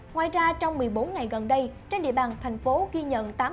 ngoài ra trong một mươi bốn ngày gần đây trên địa bàn thành phố ghi nhận